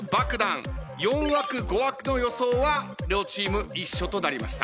４枠５枠の予想は両チーム一緒となりました。